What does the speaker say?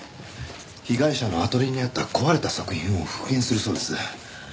被害者のアトリエにあった壊れた作品を復元するそうです。